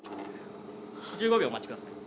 １５秒お待ちください。